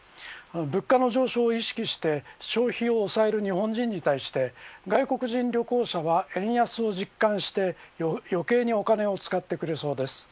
物価の上昇を意識して消費を抑える日本人に対して外国人旅行者は円安を実感して余計にお金を使ってくれそうです。